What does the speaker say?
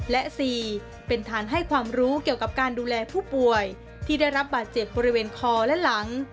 และ๔เป็นฐานให้ความรู้เกี่ยวกับการดูแลผู้ป่วยที่ได้รับบาดเจ็บบริเวณคอและหลัง